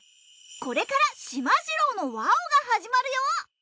これから『しまじろうのわお！』が始まるよ。